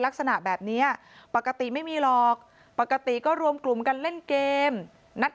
ลักษณะแบบนี้ปกติไม่มีหรอกปกติก็รวมกลุ่มกันเล่นเกมนัด